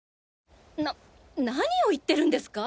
な何を言ってるんですか？